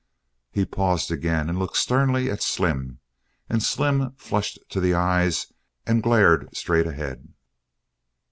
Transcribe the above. He paused again and looked sternly at Slim, and Slim flushed to the eyes and glared straight ahead.